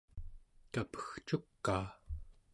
kapegcukaa